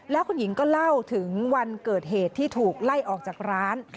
แล้วคุณหญิงก็เล่าถึงวันเกิดเหตุที่ถูกไล่ออกจากร้าน